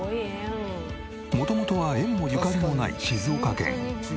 元々は縁もゆかりもない静岡県。